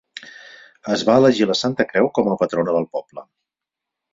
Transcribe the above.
Es va elegir la Santa Creu com a patrona del poble.